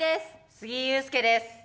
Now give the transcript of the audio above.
杉井勇介です。